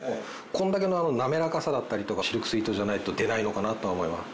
これだけのなめらかさだったりとかシルクスイートじゃないと出ないのかなと思います。